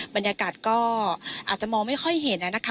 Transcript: บรรยากาศก็อาจจะมองไม่ค่อยเห็นนะคะ